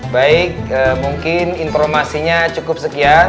baik mungkin informasinya cukup sekian